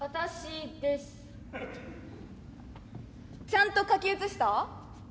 ちゃんと書き写した？